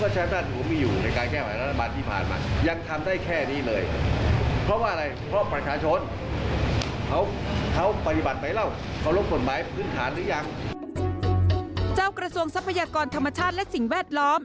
เจ้ากระทรวงทรัพยากรธรรมชาติและสิ่งแวดล้อม